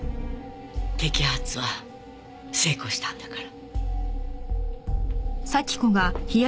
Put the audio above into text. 摘発は成功したんだから。